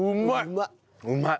うまい！